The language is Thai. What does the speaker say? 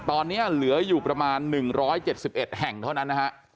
ตอนนี้เหลืออยู่ประมาณ๑๗๑แห่งเท่านั้นนะฮะ